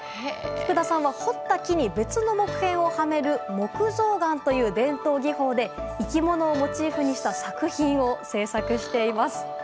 福田さんは彫った木に別の木片をはめる木像嵌という伝統技法で生き物をモチーフにした作品を制作しています。